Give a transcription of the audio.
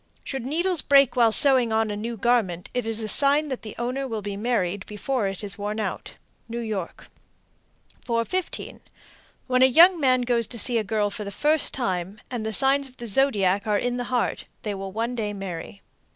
Should needles break while sewing on a new garment, it is a sign that the owner will be married before it is worn out. New York. 415. When a young man goes to see a girl for the first time, and the signs of the zodiac are in the heart, they will one day marry.